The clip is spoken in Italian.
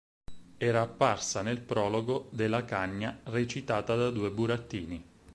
Era apparsa nel prologo de "La cagna" recitata da due burattini.